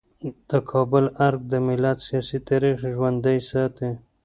د کابل ارګ د ملت سیاسي تاریخ ژوندی ساتي.